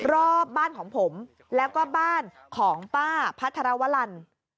รอบบ้านของผมแล้วก็บ้านของป้าพัทรวรรณ